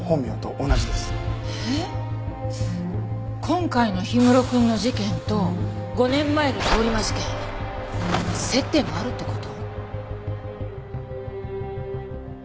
今回の氷室くんの事件と５年前の通り魔事件接点があるって事？